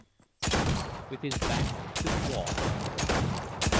WITH HIS BACK TO THE WALL.